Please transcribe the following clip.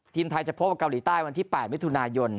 ทีมไทยจะพบกับเกาหลีใต้วันที่๘มิถุนายน